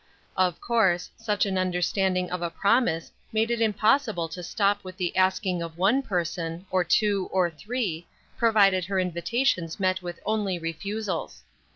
Of course, such an understanding of a promise made it impossible to stop with the asking of one person, or two, or three, provided her invitations met with only refusals.